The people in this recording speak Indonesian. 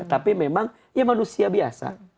tapi memang ya manusia biasa